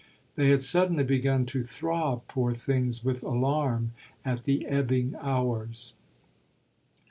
They had suddenly begun to throb, poor things, with alarm at the ebbing hours.